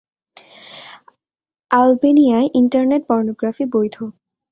আলবেনিয়ায় internet pornography বৈধ।